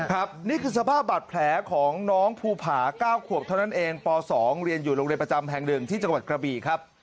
นี่คือสภาพบาดแผลของน้องภูผา๙ขวบเท่านั้นเองป๒เรียนอยู่โรงเรียนประจำแห่ง๑ที่จังหวัดกระบีครับ